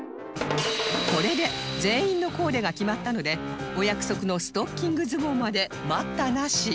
これで全員のコーデが決まったのでお約束のストッキング相撲まで待ったなしですが